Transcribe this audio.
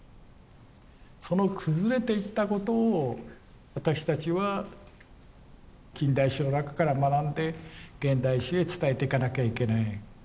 その崩れていったことを私たちは近代史の中から学んで現代史へ伝えていかなきゃいけない。